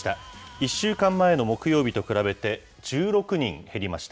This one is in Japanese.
１週間前の木曜日と比べて、１６人減りました。